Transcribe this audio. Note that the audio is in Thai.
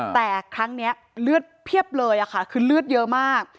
แต่ครั้งนี้เลือดเพียบเลยค่ะคือเลือดเยอะมาก